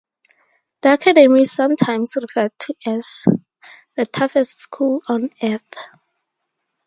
The Academy is sometimes referred to as "The toughest school on earth".